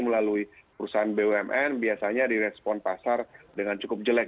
melalui perusahaan bumn biasanya direspon pasar dengan cukup jelek